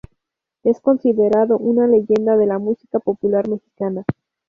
Es considerado una leyenda de la música popular mexicana.